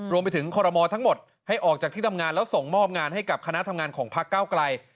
คอรมอลทั้งหมดให้ออกจากที่ทำงานแล้วส่งมอบงานให้กับคณะทำงานของพักเก้าไกล